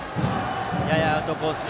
ややアウトコース